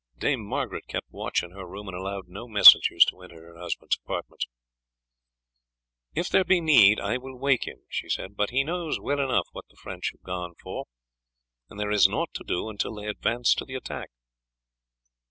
Dame Margaret kept watch in her room, and allowed no messengers to enter her husband's apartments. "If there be need, I will wake him," she said; "but he knows well enough what the French have gone for, and there is naught to do until they advance to the attack."